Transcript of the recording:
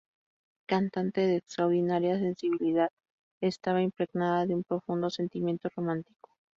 Cantante de extraordinaria sensibilidad, estaba impregnada de un profundo sentimiento romántico.